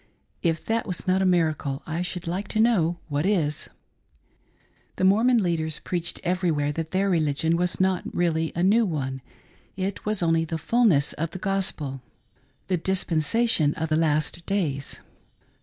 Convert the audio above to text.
If that was not a miracle, I should like to know what is 1 The Mormon leaders preached everywhere that their religion was not really a new one — it was only \he fulness of the Gos pel— the dispensation of the last days.